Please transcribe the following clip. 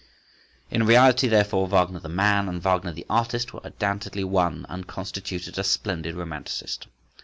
In reality, therefore, Wagner the man and Wagner the artist were undoubtedly one, and constituted a splendid romanticist.